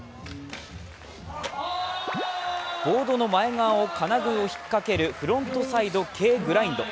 ボードの前側の金具を引っかけるフロントサイドＫグラインド。